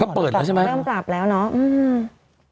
เริ่มปรับแล้วเนอะ